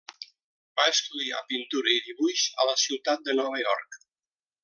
Va estudiar pintura i dibuix a la ciutat de Nova York.